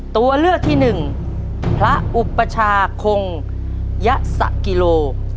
ตัวเลือกที่หนึ่งพระอุปชาคงยะสะกิโล